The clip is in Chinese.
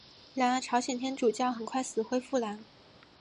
然而朝鲜天主教很快死灰复燃。